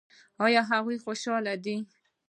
ایا هغه خوشحاله دی؟